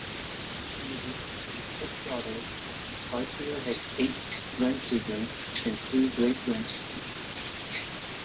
In addition to his six daughters, Poitier has eight grandchildren and three great-grandchildren.